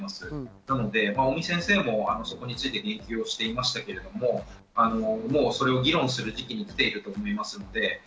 なので尾身先生もそこについて言及していましたけど、もうそれを議論する時期に来ていると思います。